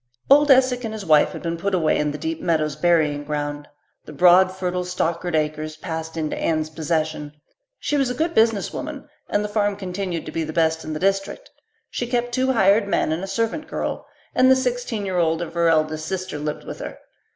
Old Esek and his wife had been put away in the Deep Meadows burying ground. The broad, fertile Stockard acres passed into Anne's possession. She was a good business woman, and the farm continued to be the best in the district. She kept two hired men and a servant girl, and the sixteen year old of her oldest sister lived with her.